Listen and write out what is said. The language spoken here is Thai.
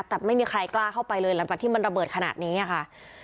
แต่ไม่มีใครกล้าเข้าไปเลยหลังจากที่มันระเบิดขนาดนี้ค่ะ